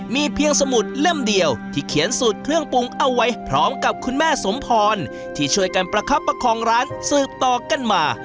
มีเพียงสมุดเล่มเดียวที่เขียนสูตรเครื่องปรุงเอาไว้พร้อมกับคุณแม่สมพรที่ช่วยกันประคับประคองร้านสืบต่อกันมา